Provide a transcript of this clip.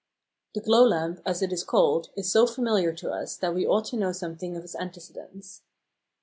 The glow lamp, as it is called, is so familiar to us that we ought to know something of its antecedents.